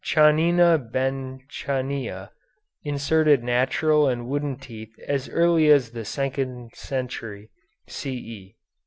Chanina Ben Chania inserted natural and wooden teeth as early as the second century, C.E."